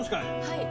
はい